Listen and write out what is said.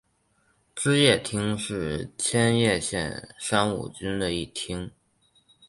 芝山町是千叶县山武郡的一町。